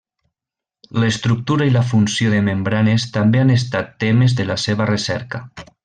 L'estructura i la funció de membranes també han estat temes de la seva recerca.